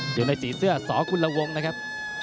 อยู่ในสีเสื้อสกุลวงนะครับ